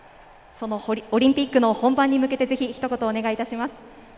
オリンピックの本番に向けて、ひと言お願いします。